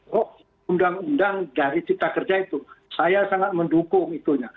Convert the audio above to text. kok undang undang dari cipta kerja itu saya sangat mendukung itunya